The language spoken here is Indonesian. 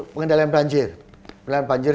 pengendalian banjir pengendalian banjir